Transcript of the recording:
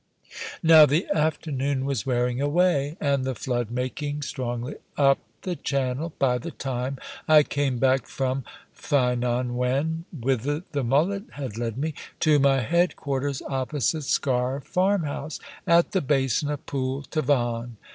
Now the afternoon was wearing away, and the flood making strongly up channel by the time I came back from Ffynnon wen whither the mullet had led me to my headquarters opposite Sker farmhouse, at the basin of Pool Tavan.